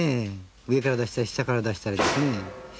上から出したり下から出したりしてね。